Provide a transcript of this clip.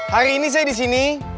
hari ini saya di sini